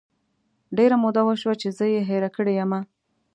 ډیره موده وشوه چې زه یې هیره کړی یمه